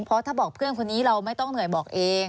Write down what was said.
เพราะถ้าบอกเพื่อนคนนี้เราไม่ต้องเหนื่อยบอกเอง